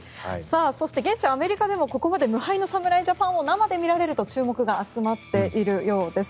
そして、現地アメリカでもここまで無敗の侍ジャパンを生で見られると注目が集まっているようです。